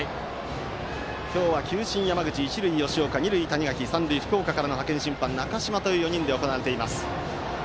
今日は球審が山口一塁は吉岡、二塁は谷垣三塁は派遣審判、中島という４人で行われています。